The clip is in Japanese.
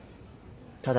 ただ。